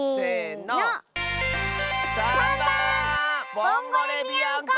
ボンゴレビアンコ！